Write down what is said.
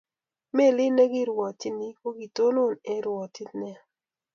Melit negyarwatyini kokitonon eng rwotyit neya